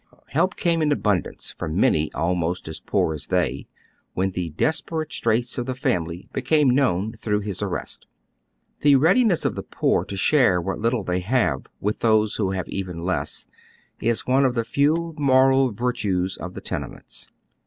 Help came in abundance from many ovGoot^e 172 HOW THE OTHER HALF LIVES. almost as poor as they when the desperate straits of the family hecame known throngh his aiTest. Tlte readiness o£ the poor to share what little they have with those wJio have even less is one of the few moral virtues of the tenements.